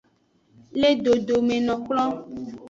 Le dodome no kplon.